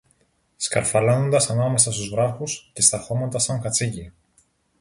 σκαρφαλώνοντας ανάμεσα στους βράχους και στα χώματα σαν κατσίκι.